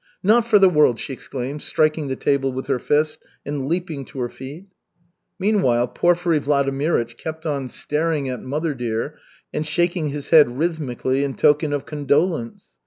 "Not for the world!" she exclaimed, striking the table with her fist and leaping to her feet. Meanwhile, Porfiry Vladimirych kept on staring at "mother dear" and shaking his head rhythmically in token of condolence.